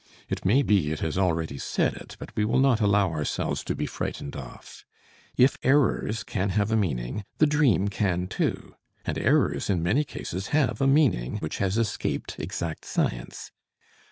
It may be it has already said it, but we will not allow ourselves to be frightened off. If errors can have a meaning, the dream can, too, and errors in many cases have a meaning which has escaped exact science.